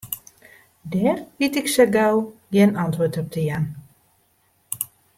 Dêr wit ik sa gau gjin antwurd op te jaan.